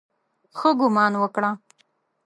ښه ګومان وکړه.